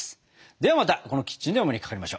ではまたこのキッチンでお目にかかりましょう。